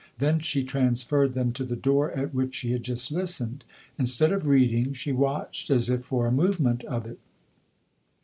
Then she transferred them to the door at which THE OTHER HOUSE 6$ she had just listened ; instead of reading she watched as if for a movement of it.